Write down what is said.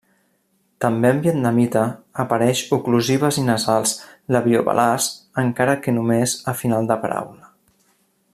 També en vietnamita apareix oclusives i nasals labiovelars, encara que només a final de paraula.